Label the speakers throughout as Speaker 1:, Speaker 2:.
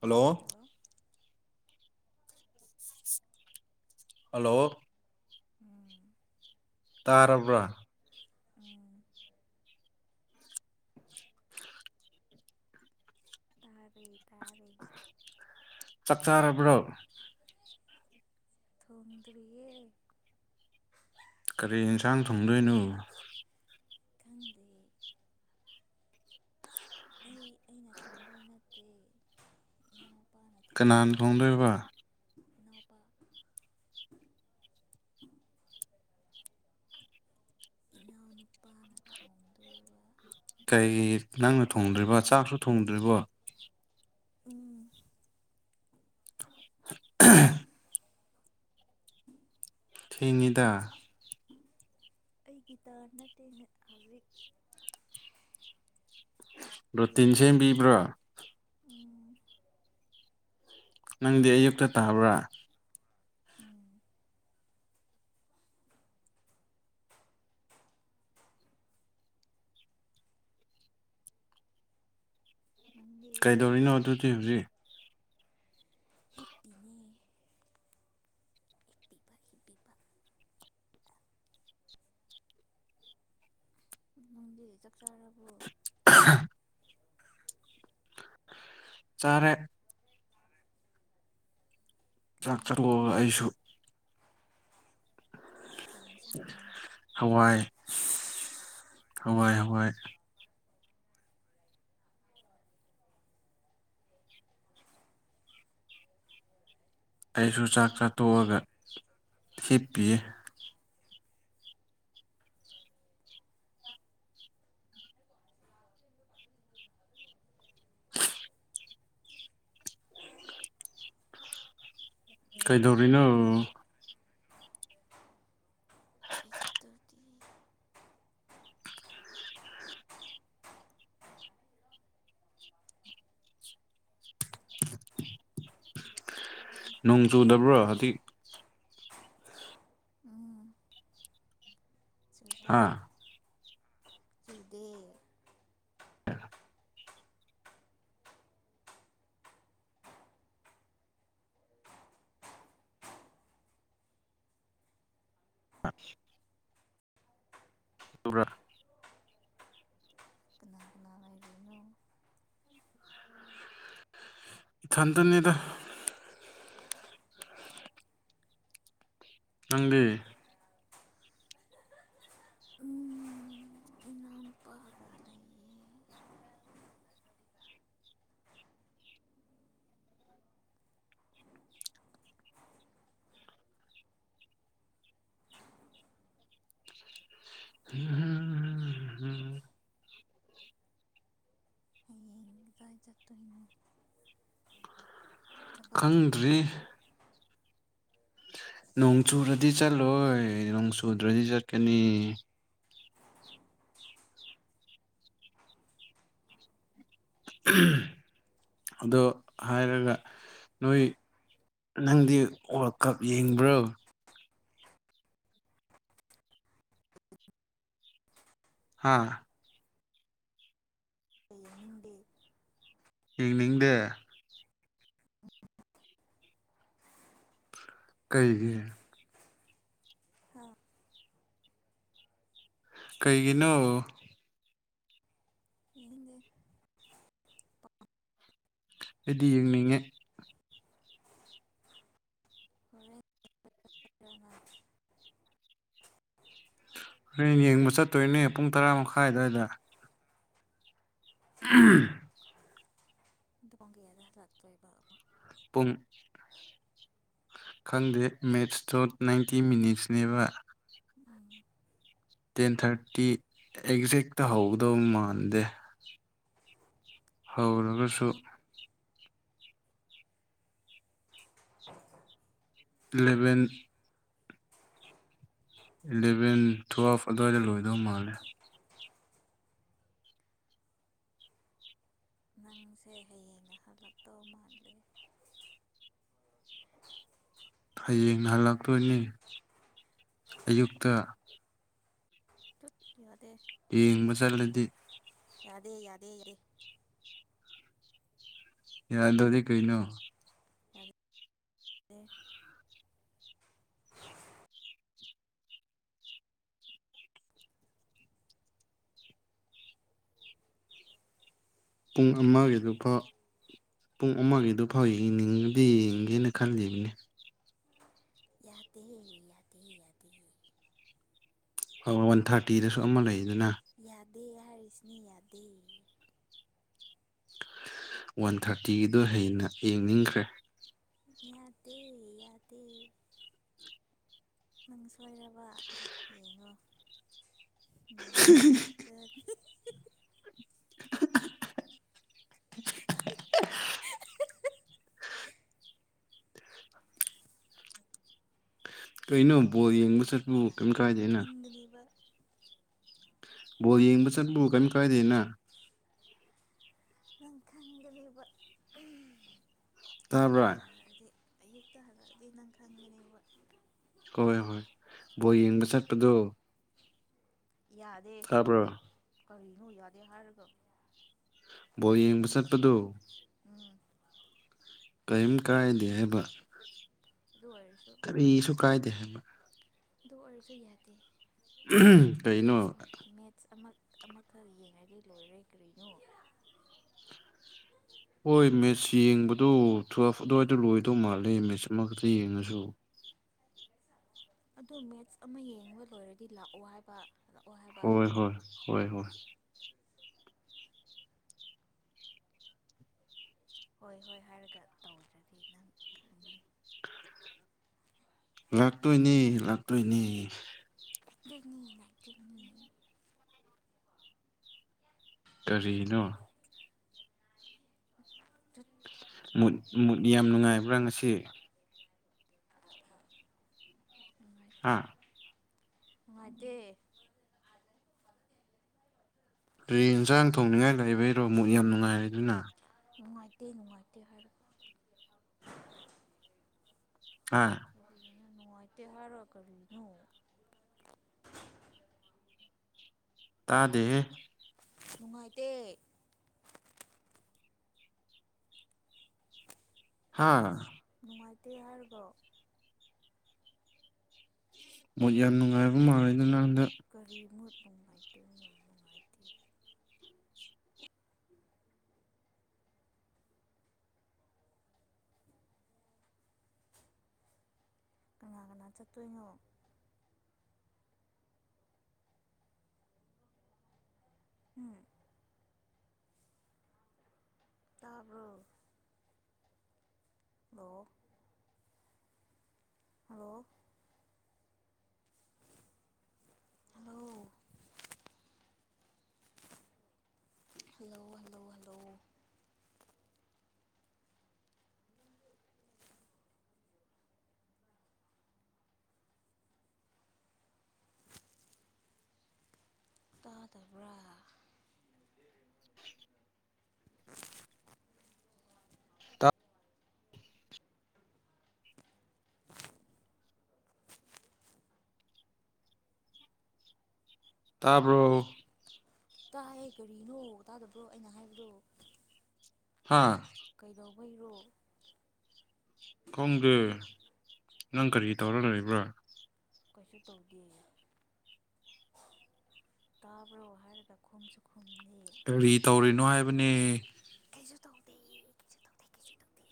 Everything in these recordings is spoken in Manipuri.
Speaker 1: ꯍꯜꯂꯣ ꯍꯜꯂꯣ
Speaker 2: ꯎꯝ
Speaker 1: ꯇꯥꯔꯕ꯭ꯔꯥ
Speaker 2: ꯎꯝ ꯇꯥꯔꯛ
Speaker 1: [inaudible] ꯆꯥꯛ ꯆꯥꯔꯕ꯭ꯔꯣ
Speaker 2: ꯊꯣꯡꯗꯔꯤꯌꯦ
Speaker 1: ꯀꯔꯤ ꯌꯦꯟꯁꯥꯡ ꯊꯣꯡꯗꯣꯏꯅꯣ
Speaker 2: ꯈꯪꯗꯤ ꯑꯩ ꯑꯩꯅ ꯊꯣꯡꯗꯣꯏ ꯅꯠꯇꯦ ꯏꯃꯎꯄꯥ
Speaker 1: ꯀꯅꯥꯅ ꯐꯣꯡꯗꯣꯏꯕ
Speaker 2: ꯏꯅꯥꯎꯄꯥ ꯏꯅꯥꯎꯅꯨꯄꯥꯅ ꯊꯣꯡꯗꯣꯔꯤꯕ
Speaker 1: ꯀꯩ ꯅꯪꯅ ꯊꯣꯡꯗ꯭ꯔꯤꯕꯣ ꯆꯥꯛꯁꯨ ꯊꯣꯡꯗ꯭ꯔꯤꯕꯣ
Speaker 2: ꯎꯝ
Speaker 1: [inaudible] ꯊꯤꯉꯗ
Speaker 2: ꯑꯩꯒꯤ ꯇꯥꯟ ꯅꯠꯇꯦꯅ ꯍꯋ
Speaker 1: ꯔꯣꯇꯤꯟ ꯁꯦꯝꯕꯤꯕ꯭ꯔꯥ
Speaker 2: ꯎꯝ
Speaker 1: ꯅꯪꯗꯤ ꯑꯌꯨꯛꯇ ꯇꯥꯕ꯭ꯔꯥ
Speaker 2: ꯎꯝ ꯅꯪꯗꯤ
Speaker 1: ꯀꯩꯗꯧꯔꯤꯅꯣ ꯑꯗꯨꯗꯤ ꯍꯧꯖꯤꯛ
Speaker 2: ꯍꯦꯞꯄꯤꯅꯤ ꯅꯨꯡꯗꯤ ꯆꯞ ꯆꯥꯔꯕꯨ
Speaker 1: [inaudible] ꯆꯔꯦ
Speaker 2: ꯀꯩ
Speaker 1: ꯆꯥꯛ ꯆꯂꯒ
Speaker 2: ꯏꯟꯁꯥꯡꯅꯣ
Speaker 1: ꯑꯩꯁꯨ
Speaker 2: ꯀꯩ ꯏꯟꯁꯥꯡꯅꯣ
Speaker 1: ꯍꯋꯥꯏ ꯍꯋꯥꯏ ꯍꯋꯥꯏ ꯑꯩꯁꯨ ꯆꯥꯛ ꯆꯥꯊꯣꯛꯑꯒ ꯍꯤꯞꯄꯤꯌꯦ ꯀꯩꯗꯧꯔꯤꯅꯣ
Speaker 2: ꯀꯩꯁꯨ
Speaker 1: [inaudible]
Speaker 2: ꯇꯧꯗꯦ
Speaker 1: [inaudible] ꯅꯣꯡ ꯆꯨꯗꯕ꯭ꯔꯣ ꯍꯧꯖꯤ
Speaker 2: ꯎꯝ ꯆꯨꯗꯦ
Speaker 1: ꯍꯥ
Speaker 2: ꯆꯨꯗꯦ
Speaker 1: [inaudible] ꯑ [unintelligible]
Speaker 2: ꯀꯅꯥ ꯀꯅꯥ ꯂꯩꯔꯤꯅꯣ
Speaker 1: ꯏꯊꯟꯇꯅꯤꯗ ꯅꯪꯗꯤ
Speaker 2: ꯎꯝ ꯏꯅꯥꯎꯄꯥꯒ ꯂꯩꯌꯦ
Speaker 1: [inaudible]
Speaker 2: ꯍꯌꯦꯡ ꯀꯥꯏ ꯆꯠꯇꫭꯏꯅꫭ ꯊꯕꯛ
Speaker 1: ꯈꯪꯗ꯭ꯔꯤ
Speaker 2: ꯆꯠꯇꫭꯏꯔꯥ
Speaker 1: ꯅꯣꯡ ꯆꯨꯔꯗꯤ ꯆꯠꯂꯣꯏ ꯅꯣꯡ ꯆꯨꯗ꯭ꯔꯗꯤ ꯆꯠꯀꯅꯤ ꯑꯗꯣ ꯍꯥꯏꯔꯒ ꯅꯣꯏ ꯅꯪꯗꯤ ꯋꯥꯔꯜ ꯀꯞ ꯌꯦꯡꯕ꯭ꯔꯣ ꯍꯥꯥ
Speaker 2: ꯌꯦꯡꯅꯤꯡꯗꯦ
Speaker 1: ꯌꯦꯡꯅꯤꯡꯗꯦ ꯀꯩꯒꯤ ꯀꯩꯒꯤꯅꯣ
Speaker 2: [unintelligible]
Speaker 1: ꯑꯩꯗꯤ ꯌꯦꯡꯅꯤꯡꯉꯦ
Speaker 2: ꯍꯣꯔꯦꯟ [unintelligible]
Speaker 1: ꯍꯌꯦꯡ ꯌꯦꯡꯕ ꯆꯠꯇꯣꯏꯅꯦ ꯄꯨꯡ ꯇꯔꯥ ꯃꯈꯥꯏ ꯑꯗꯨꯋꯥꯏꯗ [unintelligible]
Speaker 2: [unintelligible] ꯍꯜꯂꯥꯛꯇꯣꯏꯕ
Speaker 1: ꯄꯨꯡ ꯈꯪꯗꯦ ꯃꯦꯠꯁꯇꯣ ꯅꯥꯏꯟꯇꯤ ꯃꯤꯅꯤꯠꯁꯅꯦꯕ
Speaker 2: ꯎꯝ
Speaker 1: ꯇꯦꯟ ꯊꯥꯔꯇꯤ ꯑꯦꯛꯖꯦꯛꯇ ꯍꯧꯒꯗꯧ ꯃꯥꯟꯗꯦ ꯍꯧꯔꯒꯁꯨ
Speaker 2: ꯑꯣ
Speaker 1: ꯂꯦꯚꯦꯟ ꯏꯂꯦꯚꯦꯟ ꯊꯨ ꯍꯥꯐ ꯑꯗꯨꯋꯥꯏꯗ ꯂꯣꯏꯗꯧ ꯃꯥꯜꯂꯦ
Speaker 2: ꯅꯪꯁꯦ ꯍꯌꯦꯡꯅ ꯍꯜꯂꯛꯇꯧ ꯃꯥꯜꯂꯤ
Speaker 1: ꯍꯌꯦꯡꯅ ꯍꯜꯂꯛꯇꯣꯏꯅꯤ ꯑꯌꯨꯛꯇ
Speaker 2: ꯌꯗꯦ
Speaker 1: ꯌꯦꯡꯕ ꯆꯠꯂꯗꯤ
Speaker 2: ꯌꯥꯗꯦ ꯌꯥꯗꯦ ꯌꯥꯔꯦ
Speaker 1: ꯌꯥꯗꯗꯤ ꯀꯩꯅꯣ
Speaker 2: ꯑꯦ
Speaker 1: ꯄꯨꯡ ꯑꯃꯒꯤꯗꯨ ꯄꯨꯡ ꯑꯃꯒꯤ ꯑꯗꯨ ꯐꯥꯎ ꯌꯦꯡꯅꯤꯡꯕꯗꯤ ꯌꯦꯡꯒꯦꯅ ꯈꯜꯂꯤꯕꯅꯤ
Speaker 2: ꯌꯥꯗꯦ ꯌꯥꯗꯦ ꯌꯥꯗꯦ
Speaker 1: ꯋꯥꯟ ꯊꯥꯔꯇꯤꯗꯁꯨ ꯑꯃ ꯂꯩꯔꯤ ꯑꯗꯨꯅ
Speaker 2: ꯗꯦ ꯍꯥꯏꯔꯤꯁꯅꯤꯌꯥꯗꯦ
Speaker 1: ꯋꯥꯟ ꯊꯥꯔꯇꯤꯗ ꯍꯩꯅ ꯌꯦꯡꯅꯤꯡꯈ꯭ꯔꯦ
Speaker 2: ꯌꯥꯗꯦ ꯌꯥꯗꯦ ꯅꯪ ꯁꯣꯏꯔꯕ ꯌꯦꯡꯉꯣ ꯉꯥꯏꯅ [unintelligible]
Speaker 1: ꯀꯩꯅꯣ ꯕꯣꯜ ꯌꯦꯡꯕ ꯆꯠꯄ
Speaker 2: ꯈꯪꯒꯅꯦꯕ ꯅꯪ
Speaker 1: ꯀꯩꯝ
Speaker 2: ꯅꯪ
Speaker 1: ꯀꯥꯏꯗꯦ ꯑꯩꯅ
Speaker 2: ꯈꯪꯒꯅꯦꯕ
Speaker 1: ꯕꯣꯜ ꯌꯦꯡꯕ ꯆꯠꯄ ꯀꯔꯤꯝ ꯀꯥꯏꯗꯦꯅ
Speaker 2: ꯃꯈꯥꯡꯒ ꯂꯕ ꯏꯌꯛꯇ
Speaker 1: ꯇꯥꯕ꯭ꯔꯥ
Speaker 2: ꯍꯔꯗꯤ ꯑꯌꯨꯛꯇ ꯍꯥꯏꯂꯑꯗꯤ ꯅꯪ ꯈꯪꯗꯅꯦ ꯋꯥ
Speaker 1: ꯍꯣꯏ ꯍꯣꯏ ꯕꯣ ꯌꯦꯡꯕ ꯆꯠꯄꯗꯣ
Speaker 2: ꯌꯥꯗꯦ
Speaker 1: ꯇꯥꯕ꯭ꯔꯣ
Speaker 2: ꯀꯔꯤꯅ ꯌꯥꯗꯦ ꯍꯥꯏꯔꯒ
Speaker 1: ꯕꯣ ꯌꯦꯡꯕ ꯆꯠꯄꯗꯨ
Speaker 2: ꯎꯝ
Speaker 1: ꯀꯔꯤꯝ ꯀꯥꯏꯗꯦ ꯍꯥꯏꯕ
Speaker 2: ꯑꯗꯨ ꯑꯣꯏꯔꯁꯨ
Speaker 1: ꯀꯔꯤꯁꯨ ꯀꯥꯏꯗꯦ ꯍꯥꯏꯃ
Speaker 2: ꯑꯗꯨ ꯑꯣꯏꯔꯁꯨ ꯌꯥꯗꯦ
Speaker 1: ꯀꯩꯩꯅꯣ
Speaker 2: ꯃꯦꯠꯁ ꯑꯃ ꯑꯃꯈꯛ ꯌꯦꯡꯉꯗꯤ ꯂꯣꯏꯔꯦ ꯀꯔꯤꯅꯣ
Speaker 1: ꯍꯣꯏ ꯃꯦꯠꯁ ꯌꯦꯡꯕꯗꯨ ꯊꯨꯞ ꯑꯗꯨꯋꯥꯏꯗꯣ ꯂꯣꯏꯗꯧ ꯃꯥꯜꯂꯦ ꯃꯦꯁꯃꯛꯇ ꯌꯦꯡꯉꯁꯨ
Speaker 2: ꯑꯗꯣ ꯃꯦꯠꯁ ꯑꯃ ꯌꯦꯡꯕ ꯂꯣꯏꯔꯗꯤ ꯂꯥꯛꯑꯣ ꯍꯥꯏꯕ ꯂꯥꯛꯑꯣ ꯍꯥꯏꯕ
Speaker 1: ꯍꯣꯏ ꯍꯣꯏ ꯍꯣꯏ ꯍꯣꯏ [unintelligible]
Speaker 2: ꯍꯣꯏ ꯍꯣꯏ ꯍꯥꯏꯔꯒ ꯇꯧꯗ꯭ꯔꯗꯤ ꯅꯪ ꯈꯪꯒꯅꯤ
Speaker 1: ꯂꯥꯛꯇꯣꯏꯅꯤ ꯂꯥꯛꯇꯣꯏꯅꯤ
Speaker 2: ꯆꯅꯤ ꯆꯅꯤ
Speaker 1: ꯀꯔꯤꯅꯣ
Speaker 2: ꯇꯨꯠ
Speaker 1: ꯠ ꯃꯨꯠ ꯌꯥꯝ ꯅꯨꯡꯉꯥꯏꯕ꯭ꯔꯥ ꯉꯁꯤ ꯑꯥ
Speaker 2: ꯃꯦ
Speaker 1: ꯅꯁ ꯑꯅ ꯊꯣꯡꯅꯉꯅ ꯂꯩꯕꯩꯔꯣ ꯑꯃꯨꯛ ꯌꯥꯝ ꯅꯨꯡꯉꯥꯏꯔꯦ ꯑꯗꯨꯅ
Speaker 2: ꯏꯇꯩ ꯅꯨꯡꯉꯇꯦ ꯍꯥꯏ
Speaker 1: ꯑꯥ
Speaker 2: ꯑ ꯅꯨꯡꯉꯥꯏꯇꯦꯍꯔ ꯀꯔꯤꯅꯣ
Speaker 1: ꯇꯥꯗꯦꯦ
Speaker 2: ꯅꯨꯡꯉꯥꯏꯇꯦ
Speaker 1: ꯍꯥꯥ
Speaker 2: ꯃꯗꯤ ꯍꯔꯒꯥꯎ
Speaker 1: ꯃꯣꯏꯅꯨꯡꯉꯥꯏꯕ ꯃꯥ
Speaker 2: ꯀꯔꯤꯃꯨꯠ ꯅꯨꯡꯉꯥꯏꯇ ꯅꯨꯡꯉꯥꯏ ꯀꯅꯥꯒꯅꯥ ꯆꯠꯇꯨꯅꯣ ꯎꯝ ꯇꯔꯕꯣ ꯑ ꯍꯣ ꯍꯂꯣ ꯍꯂꯣ ꯍꯂꯣ ꯇꯥ ꯇꯕ꯭ꯔ
Speaker 1: ꯆꯤꯄꯥ [inaudible]
Speaker 2: ꯎ
Speaker 1: ꯇ ꯇꯥꯕ꯭ꯔꯣ
Speaker 2: ꯇꯥꯏ ꯀꯔꯤꯅꯣ ꯇꯥꯗꯕ꯭ꯔꯣ ꯑꯩꯅ ꯍꯥꯏꯕꯗꯣ
Speaker 1: ꯍꯥꯥ
Speaker 2: ꯀꯩꯗꯧꯕꯩꯔꯣ
Speaker 1: ꯈꯣꯡꯗꯦ ꯅꯪ ꯀꯔꯤ ꯇꯧꯔ ꯂꯩꯕ꯭ꯔꯥ
Speaker 2: ꯀꯩꯁꯨ ꯇꯧꯗꯦ ꯇꯥꯕ꯭ꯔꯣ ꯍꯥꯏꯔꯒ ꯈꯨꯝꯁꯨ ꯈꯨꯝꯅꯤ
Speaker 1: ꯀꯔꯤ ꯇꯧꯔꯤꯅꯣ ꯍꯥꯏꯕꯅꯦ
Speaker 2: ꯀꯩꯁꯨ ꯇꯧꯗꯦ ꯀꯩꯁꯨ ꯇꯧꯗꯦ ꯀꯩꯁꯨ ꯇꯧꯗꯦ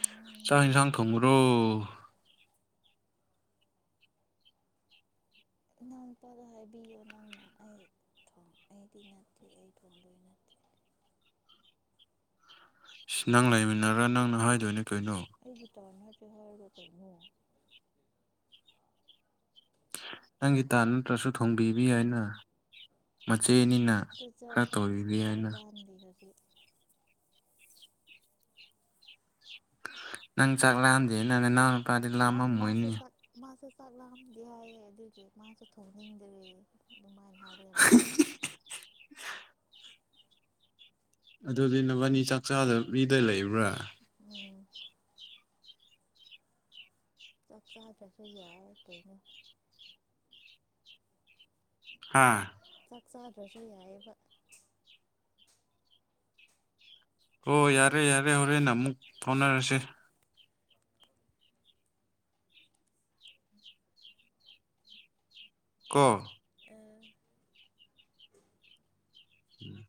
Speaker 2: ꯎ
Speaker 1: ꯆ ꯏꯁꯥꯡ ꯊꯨꯒ꯭ꯔꯣ
Speaker 2: ꯏꯅꯥꯎ ꯅꯨꯨꯄꯥꯗ ꯍꯥꯏꯕꯤꯌꯣ ꯅꯪꯅ ꯑꯩ ꯊ ꯑꯩꯗꯤ ꯅꯠꯇꯦ ꯑꯩ ꯊꯣꯡꯗꯣꯏ ꯅꯠꯇꯦ
Speaker 1: ꯅꯪ ꯂꯩꯃꯤꯟꯅꯔꯒ ꯅꯪ ꯅ ꯍꯥꯏꯗꯣꯏꯅꯦ ꯀꯣꯏꯩꯅꯣ
Speaker 2: ꯇꯥꯟꯅ ꯍꯔꯗ ꯇꯣꯏꯅꯨ
Speaker 1: ꯅꯪꯒꯤ ꯇꯥ ꯅꯠꯇ꯭ꯔꯁꯨ ꯊꯣꯡꯕꯤꯕꯤ ꯍꯥꯏꯅ ꯆꯆꯦꯅꯤꯅ
Speaker 2: ꯑꯗꯨ ꯆꯥꯛ
Speaker 1: ꯈꯔ ꯇꯧꯔꯤꯒ
Speaker 2: ꯆꯥꯛ
Speaker 1: ꯍꯥꯏꯅ
Speaker 2: ꯂꯥꯝꯗꯦ ꯍꯧꯖꯤꯛ
Speaker 1: ꯅꯪ ꯆꯒꯂꯗꯦ ꯅ ꯅ
Speaker 2: ꯃꯥ ꯃꯥꯁ ꯃꯥ ꯆꯥꯛ ꯂꯥꯛꯑꯝꯗꯤ ꯍꯥꯏꯌꯦ ꯑꯗꯨꯒꯤ ꯃꯥꯁꯨ ꯊꯣꯡꯅꯤꯡꯗ꯭ꯔꯦ ꯑꯗꯨꯃꯥꯏꯅ ꯍꯥꯏꯔꯒ
Speaker 1: ꯍꯥ ꯍꯤ
Speaker 2: ꯂꯩꯌꯦ
Speaker 1: ꯍꯤ ꯍꯤ [inaudible] ꯑꯗꯨꯗꯤ ꯅꯕꯥꯅꯤ ꯆꯥꯛꯆꯥꯗ ꯃꯤꯗ ꯂꯩꯕ꯭ꯔꯥ
Speaker 2: ꯎꯝ ꯁꯈ ꯆ ꯆꯁꯨꯣꯏ ꯌꯥ ꯀꯩꯣ
Speaker 1: ꯍꯥꯥ
Speaker 2: ꯆꯥꯛ ꯆꯥꯗ꯭ꯔꯁꯨ ꯌꯥꯏꯑꯕ
Speaker 1: ꯍ ꯌꯥꯔꯦ ꯌꯥꯔꯦ ꯍꯣꯔꯦꯟꯅ ꯑꯃꯨꯛ ꯐꯥꯎꯅꯔꯁꯤꯦ ꯀ
Speaker 2: ꯑꯥ
Speaker 1: ꯎꯝ